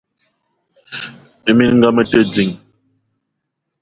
Minga mete ding.